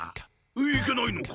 いけないのか？